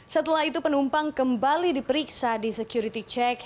setelah itu penumpang kembali diperiksa di security check